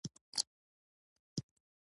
ما ورته وویل: ما غوښتل له ځانه معمار جوړ کړم.